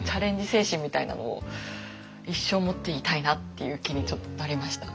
精神みたいなのを一生持っていたいなっていう気にちょっとなりました。